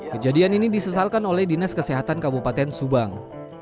kejadian ini disesalkan oleh dinas kesehatan kabupaten subang